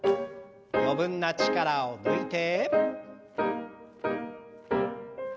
余分な力を抜いて。